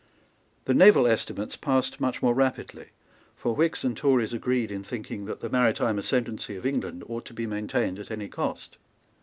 The naval estimates passed much more rapidly; for Whigs and Tories agreed in thinking that the maritime ascendency of England ought to be maintained at any cost.